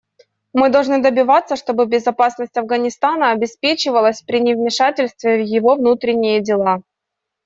Мы должны добиваться, чтобы безопасность Афганистана обеспечивалась при невмешательстве в его внутренние дела.